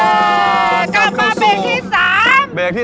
เออกลับมาเบคที่๓